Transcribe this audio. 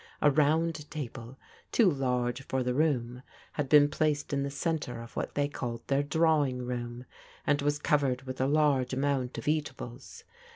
A round table, too large for the room, had been placed in the centre of what they called their drawing room, and was covered with a large amount of eatables.